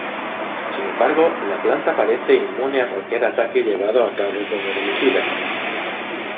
Sin embargo, la planta parece inmune a cualquier ataque llevado a cabo con herbicidas.